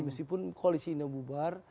meskipun koalisinya bubar